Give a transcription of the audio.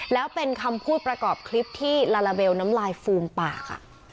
แล้วเป็นคำพูดประกอบคลิปที่ลาลาเบลน้ำลายฟูมปาก